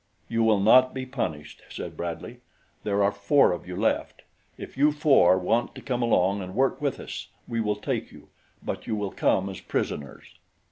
"You will not be punished," said Bradley. "There are four of you left if you four want to come along and work with us, we will take you; but you will come as prisoners."